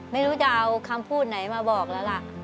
ไม่รู้จะเอาคำพูดไหนมาบอกแล้วล่ะ